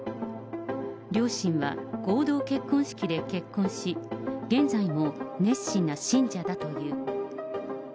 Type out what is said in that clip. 両親は合同結婚式で結婚し、現在も熱心な信者だという。